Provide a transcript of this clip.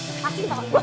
masih bawa gue